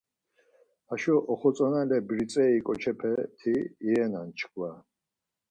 Haşo oxotzonale britzeri ǩoçepeti ivenan çkva.